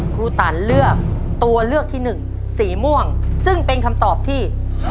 ครูตันเลือกตัวเลือกที่หนึ่งสีม่วงซึ่งเป็นคำตอบที่